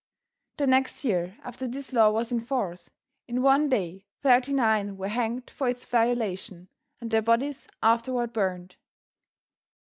The next year after this law was in force, in one day thirty nine were hanged for its violation and their bodies afterward burned.